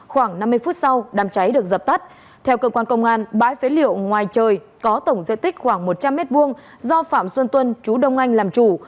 khoảng năm mươi phút sau đám cháy được dập tắt theo cơ quan công an bãi phế liệu ngoài trời có tổng diện tích khoảng một trăm linh m hai do phạm xuân tuân chú đông anh làm chủ